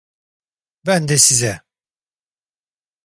Ben de size!